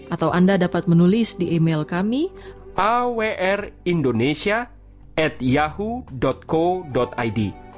atau anda dapat menulis di email kami awrindonesia at yahu co id